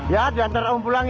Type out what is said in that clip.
ya diantar om pulang ya